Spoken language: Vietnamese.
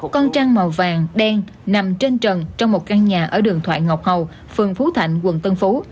con trang màu vàng đen nằm trên trần trong một căn nhà ở đường thoại ngọc hầu phường phú thạnh quận tân phú